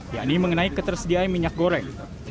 yang ini mengenai ketersediaan minyak goreng di makassar